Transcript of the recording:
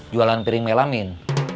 jualan piring melamin